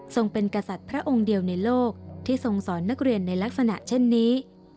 เป็นกษัตริย์พระองค์เดียวในโลกที่ทรงสอนนักเรียนในลักษณะเช่นนี้